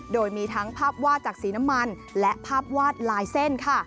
โดยมีทั้งภาพวาดจากสีน้ำมันและภาพวาดลายเส้นค่ะ